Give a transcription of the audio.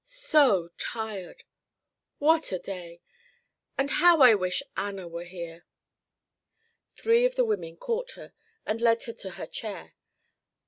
So tired! What a day. Oh, how I wish Anna were here." Three of the women caught her and led her to her chair.